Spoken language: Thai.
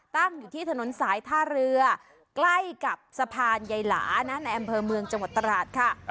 ตั้งอยู่ที่ถนนสายท่าเรือใกล้กับสะพานใยหลานะในอำเภอเมืองจังหวัดตราดค่ะ